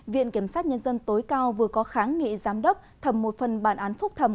viện kiểm sát nhân dân tối cao vừa có kháng nghị giám đốc thầm một phần bản án phúc thẩm